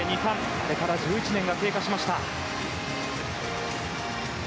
あれから１１年が経過しました。